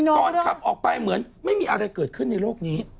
ขับออกไปเหมือนไม่มีอะไรเกิดขึ้นในโลกนี้